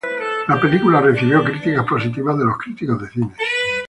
La película recibió críticas positivas de los críticos de cine.